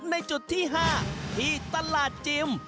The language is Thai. ในจุดที่๕ที่ตลาดจิม